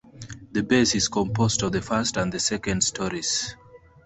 The base is composed of the first and second stories.